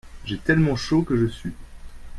J'ai tellement chaud que je sue.